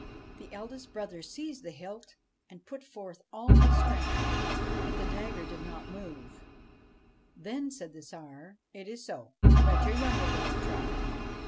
' The eldest brother seized the hilt, and put forth all his strength ; but the dagger did not move. Then said the Tsar :' It is so. Let your younger brother try.'